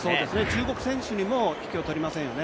中国選手にも引けを取りませんよね。